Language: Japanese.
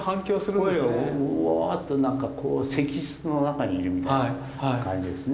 声もうぉっと何か石室の中にいるみたいな感じですね。